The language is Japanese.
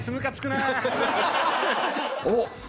おっ！